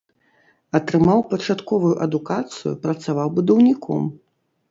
Атрымаў пачатковую адукацыю, працаваў будаўніком.